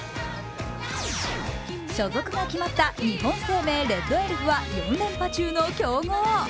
所属が決まった日本生命レッドエルフは４連覇中の強豪。